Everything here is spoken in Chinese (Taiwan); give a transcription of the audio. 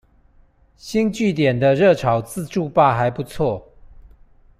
星聚點的熱炒自助吧還不錯